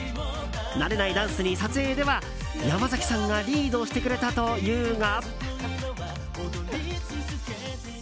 慣れないダンスに撮影では山崎さんがリードしてくれたというが。